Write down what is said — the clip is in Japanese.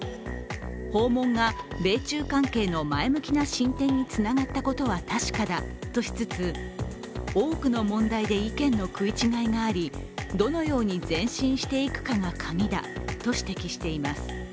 訪問が米中関係の前向きな進展につながったことは確かだとしつつ、多くの問題で意見の食い違いがありどのように前進していくかがカギだと指摘しています。